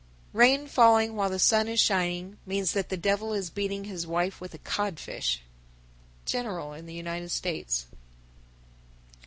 Rain falling while the sun is shining means that the devil is beating his wife with a codfish. _General in the United States.